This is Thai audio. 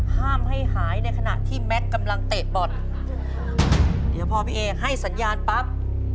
ห้ามให้หายในขณะที่แม็กซ์กำลังเตะบอลเดี๋ยวพอพี่เอให้สัญญาณปั๊บ